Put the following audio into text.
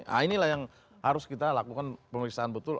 nah inilah yang harus kita lakukan pemeriksaan betul